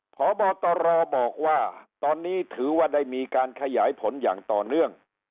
พบตรบอกว่าตอนนี้ถือว่าได้มีการขยายผลอย่างต่อเนื่อง